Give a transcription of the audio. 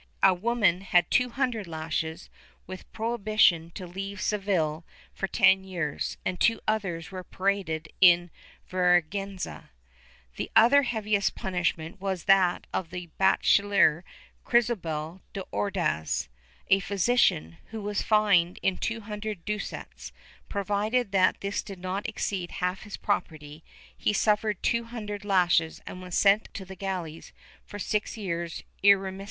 A woman had two hundred lashes, with prohibition to leave Seville for ten years, and two others were paraded in vergiienza. The heaviest punishment was that of the Bachiller Cristobal de Ordaz, a physician, who was fined in two hundred ducats, provided that this did not exceed half his property, he suffered two hundred lashes and was sent to the galleys for six years irremissibly, after •Decreta S.